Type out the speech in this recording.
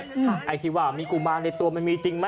ไอทิวามีกุมารในตัวมันมีจริงมะ